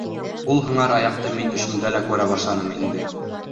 Ул һыңар аяҡты мин төшөмдә лә күрә башланым инде.